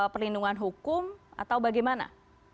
perlindungan hukum atau bagaimana